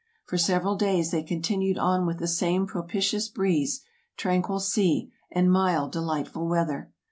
For several days they continued on with the same propitious breeze, tranquil sea, and mild, delightful weather.